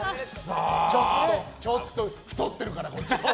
ちょっと太ってるから。